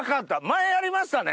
前やりましたね